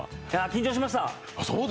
緊張しました。